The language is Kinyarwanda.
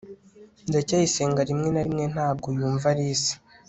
ndacyayisenga rimwe na rimwe ntabwo yumva alice